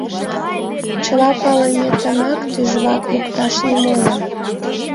— Чыла палыметымак тӱжвак лукташ нимолан!